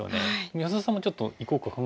安田さんもちょっと行こうか考えてた。